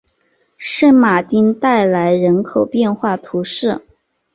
圣马丁代来人口变化图示